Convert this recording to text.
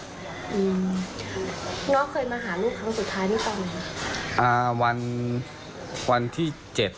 น้องเคยมาหาลูกครั้งสุดท้ายนี่ตอนไหน